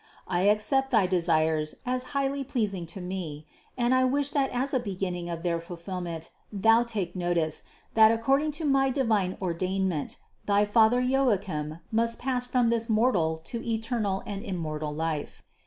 I accept thy desires as highly pleasing to me and I wish that as a beginning of their fulfillment thou take notice, that according to my divine ordainment, thy father Joachim must pass from this mortal to the eternal and immortal life.